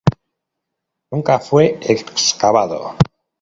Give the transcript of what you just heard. Nunca fue excavado.